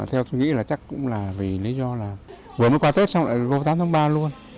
theo tôi nghĩ là chắc cũng là vì lý do là vừa mới qua tết xong lại vô giá tháng ba luôn